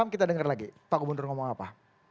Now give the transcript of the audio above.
kita dengar lagi pak gubernur ngomong apa